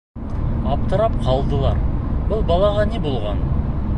Аптырап ҡалдылар: был балаға ни булған?